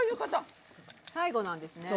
最後なんですね。